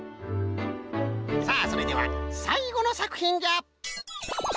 さあそれではさいごのさくひんじゃ！